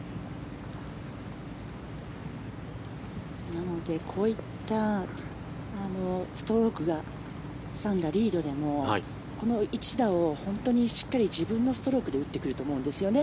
なので、こういったストロークが３打リートでもこの一打を、しっかり自分のストロークで打ってくると思うんですね。